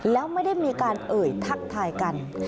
แล้วไม่ได้มีการเอ่ยทักทายกัน